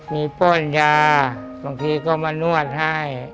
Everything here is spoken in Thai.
มีป้อนยาบางทีก็มานวดให้